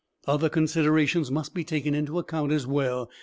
Other considerations must be taken into account as well.